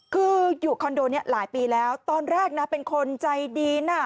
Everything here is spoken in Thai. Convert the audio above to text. คืออยู่คอนโดนี้หลายปีแล้วตอนแรกนะเป็นคนใจดีน่ะ